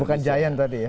bukan giant tadi ya